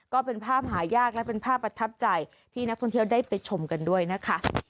ก็เป็นภาพหายากและเป็นภาพประทับใจที่นักท่องเที่ยวได้ไปชมกันด้วยนะคะ